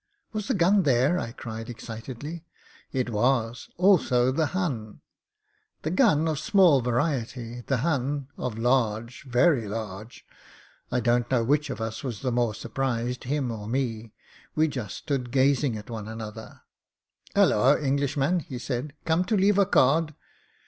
'Was the gim there?" I cried, excitedly. It was. Also the Hun. The gun of small variety ; the Hun of large — ^very large. I don't know which of us was the more surprised — ^him or me; we just stood gazing at one another. THE MOTOR GUN 45 <« <1 'Halloa, Englishman/ he said; 'come to leave a card?'